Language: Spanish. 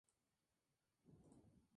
Colaboró en la "Gran Enciclopedia de Mundo".